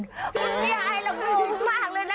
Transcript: หุ้นยายทุกมากเลยนะ